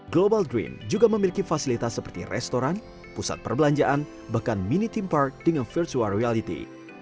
global dream juga memiliki fasilitas seperti restoran pusat perbelanjaan bahkan mini team park dengan virtual reality